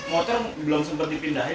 motor belum sempat dipindahin